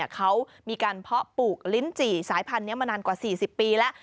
เขามีการเพาะปลูกลิ้นจี่สายพันธุ์นี้มานานกว่า๔๐ปีแล้ว